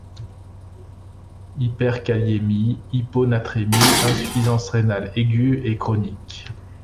Hyperkaliémie, hyponatrémie, insuffisance rénale aiguë et chronique.